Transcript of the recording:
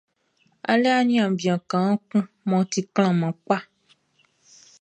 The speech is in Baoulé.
A le aniaan bian kaan kun mʼɔ ti klanman kpaʼn.